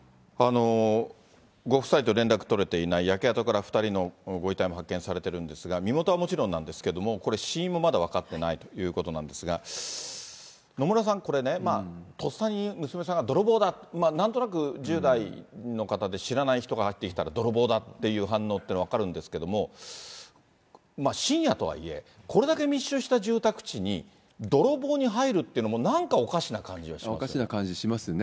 ご夫妻と連絡取れていない、焼け跡から２人のご遺体も発見されてるんですが、身元はもちろんなんですけれども、これ、死因もまだ分かってないということなんですが、野村さん、これね、とっさに娘さんが泥棒だ、なんとなく１０代の方で、知らない人が入ってきたら、泥棒だっていう反応は分かるんですけども、まあ深夜とはいえ、これだけ密集した住宅地に泥棒に入るっていうのも、なんかおかしな感じはしますね。